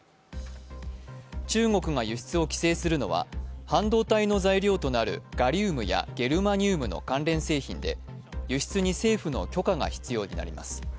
中国が輸出を規制するのは半導体の材料となるガリウムやゲルマニウムの関連製品で輸出に政府の許可が必要になります。